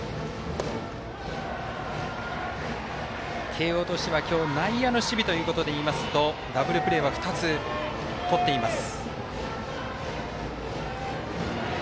慶応としては今日内野の守備ということでいいますとダブルプレーは２つとっています。